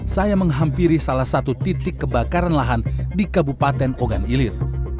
saya menghampiri salah satu titik kebakaran lahan di kabupaten ogan ilir